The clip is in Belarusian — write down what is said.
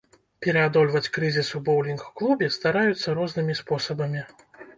Пераадольваць крызіс у боўлінг-клубе стараюцца рознымі спосабамі.